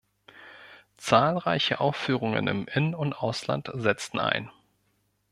Zahlreiche Aufführungen im In- und Ausland setzten ein.